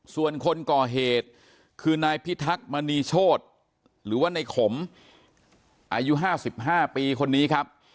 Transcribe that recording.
ส่วนคนก่อเหตุคือนายพิทักษ์มณีโชธหรือว่าในขมอายุ๕๕ปีคนนี้ครับ